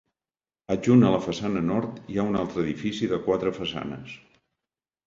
Adjunt a la façana nord hi ha un altre edifici de quatre façanes.